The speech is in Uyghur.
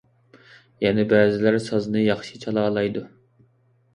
يەنە بەزىلەر سازنى ياخشى چالالايدۇ.